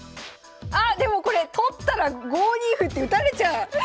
あっでもこれ取ったら５二歩って打たれちゃう！